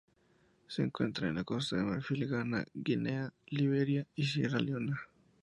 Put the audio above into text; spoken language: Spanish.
Se encuentra en Costa de Marfil, Ghana, Guinea, Liberia, y Sierra Leona.